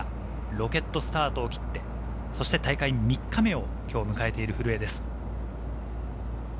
ロケットスタートを切って大会３日目を迎えている古江です。